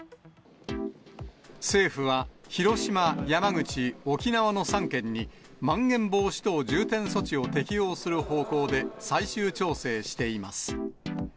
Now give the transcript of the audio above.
政府は、広島、山口、沖縄の３県に、まん延防止等重点措置を適用する方向で、最終調整しています。